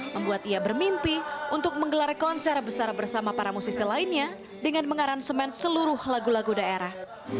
membuat ia bermimpi untuk menggelar konser besar bersama para musisi lainnya dengan mengaransemen seluruh lagu lagu daerah